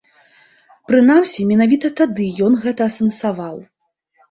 Прынамсі, менавіта тады ён гэта асэнсаваў.